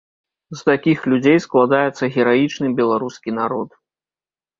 З такіх людзей складаецца гераічны беларускі народ.